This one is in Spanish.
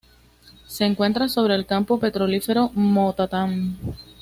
Se encuentra sobre el campo petrolífero Motatán.